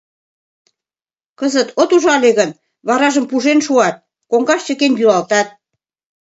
Кызыт от ужале гын, варажым пужен шуат, коҥгаш чыкен йӱлалтат.